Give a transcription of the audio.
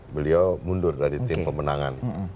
beliau mundur dari tim pemenangan